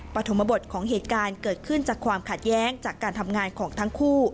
ปฐมบทของเหตุการณ์เกิดขึ้นจากความขัดแย้งจากการทำงานของทั้งคู่